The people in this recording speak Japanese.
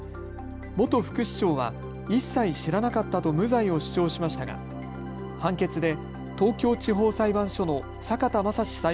元副市長は一切、知らなかったと無罪を主張しましたが判決で東京地方裁判所の坂田正史